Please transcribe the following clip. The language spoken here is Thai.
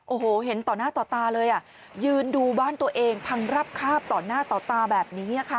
โอ้โหเห็นต่อหน้าต่อตาเลยอ่ะยืนดูบ้านตัวเองพังรับคาบต่อหน้าต่อตาแบบนี้ค่ะ